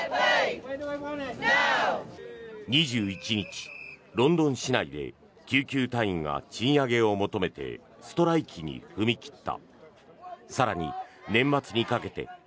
２１日、ロンドン市内で救急隊員が賃上げを求めてストライキに踏み切った。